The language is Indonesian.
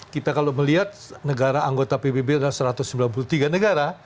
kita kalau melihat negara anggota pbb adalah satu ratus sembilan puluh tiga negara